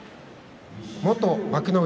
元幕内